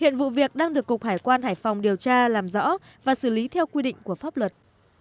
nó đang được cục hải quan hải phòng điều tra làm rõ và xử lý theo quy định của pháp luật